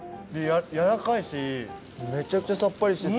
やわらかいしめちゃくちゃさっぱりしてて。